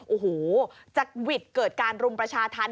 โอ้โหจะหวิดเกิดการรุมประชาธรรม